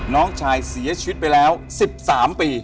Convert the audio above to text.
น้องชายเสียชีวิตไปแล้ว๑๓ปี